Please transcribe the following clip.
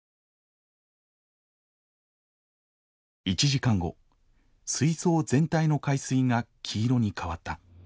１時間後水槽全体の海水が黄色に変わった。